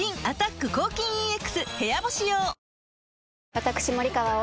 私森川葵